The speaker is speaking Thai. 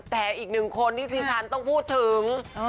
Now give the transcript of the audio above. แต่อีกหนึ่งคนที่ที่ฉันต้องพูดถึง